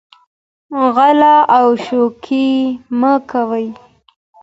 غلا او شوکې مه کوئ.